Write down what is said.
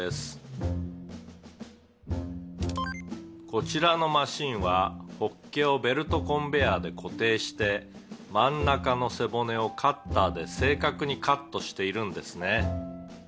「こちらのマシンはホッケをベルトコンベアで固定して真ん中の背骨をカッターで正確にカットしているんですね」